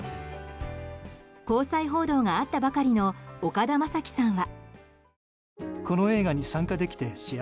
交際報道があったばかりの岡田将生さんは。